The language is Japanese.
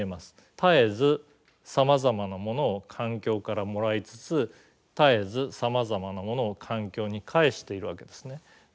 絶えずさまざまなものを環境からもらいつつ絶えずさまざまなものを環境に返しているわけですね。